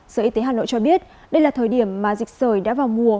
sở y tế hà nội cho biết đây là thời điểm mà dịch sởi đã vào mùa